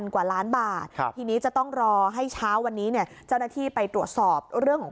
ครับ